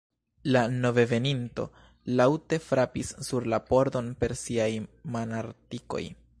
La noveveninto laŭte frapis sur la pordon per siaj manartikoj.